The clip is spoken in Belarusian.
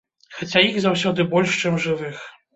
Хаця іх заўсёды больш, чым жывых.